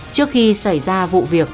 trước khi xảy ra vụ việc